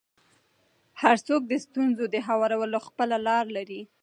هر څوک د ستونزو د هوارولو خپله لاره لري.